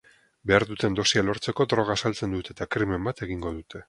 Behar duten dosia lortzeko, droga saltzen dute eta krimen bat egingo dute.